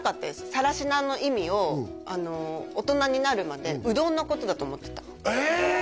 更科の意味を大人になるまでうどんのことだと思ってたえ！